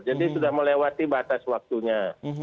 jadi sudah melewati batas waktunya